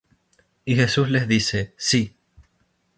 Y Jesús les dice: Sí: